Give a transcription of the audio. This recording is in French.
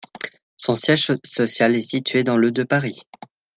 Son siège social est situé dans le de Paris.